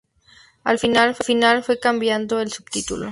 Al final fue cambiado el subtítulo.